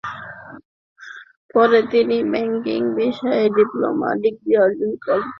পরে তিনি ব্যাংকিং বিষয়ে ডিপ্লোমা ডিগ্রি অর্জন করেন।